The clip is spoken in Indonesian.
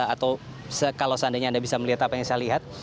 atau kalau seandainya anda bisa melihat apa yang saya lihat